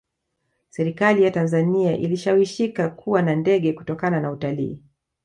serikali ya tanzania ilishawishika kuwa na ndege kutokana na utalii